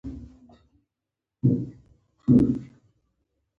هندوکش د جغرافیوي تنوع یو مثال دی.